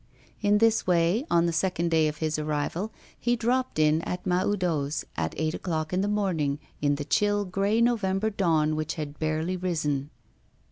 In this way, on the second day of his arrival, he dropped in at Mahoudeau's at eight o'clock in the morning, in the chill, grey November dawn which had barely risen.